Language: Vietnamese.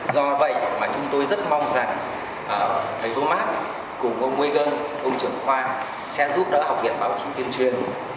do vậy mà chúng tôi rất mong rằng thầy thomas cùng ông wagon ông trưởng khoa sẽ giúp đỡ học viện báo chí tiên truyền